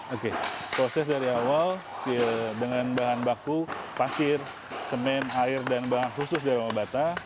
oke proses dari awal dengan bahan baku pasir semen air dan bahan khusus dari mama bata